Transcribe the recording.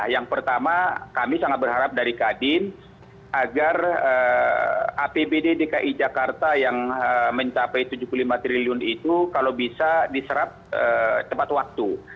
yang pertama kami sangat berharap dari kadin agar apbd dki jakarta yang mencapai tujuh puluh lima triliun itu kalau bisa diserap tepat waktu